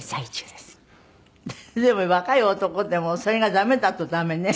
でも若い男でもそれが駄目だと駄目ね。